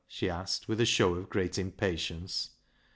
she asked, with a show of great impatience.